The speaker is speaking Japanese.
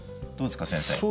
どうですか先生？